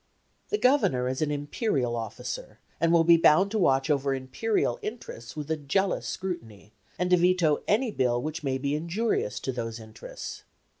The Governor is an imperial officer, and will be bound to watch over imperial interests with a jealous scrutiny, and to veto any Bill which may be injurious to those interests.